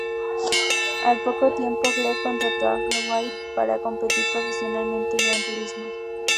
Al poco tiempo, Gregg contrató a Haywood para competir profesionalmente en gran turismos.